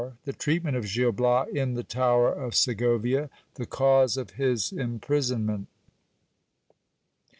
— The treatment of Gil Bias in the tower of Segovia. The cause of his imprisonment.